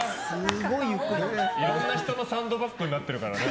いろんな人のサンドバッグになってるからね。